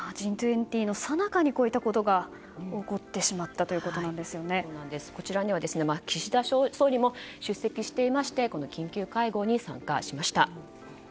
Ｇ２０のさなかにこういったことがこちらには岸田総理も出席していましてこの緊急会合に参加しました。